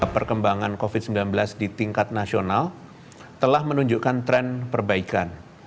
perkembangan covid sembilan belas di tingkat nasional telah menunjukkan tren perbaikan